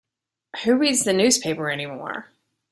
Who reads the newspaper anymore?